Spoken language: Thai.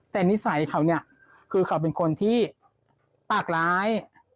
แต่นิสัยเขาเนี่ยคือเขาเป็นคนที่ปากร้าย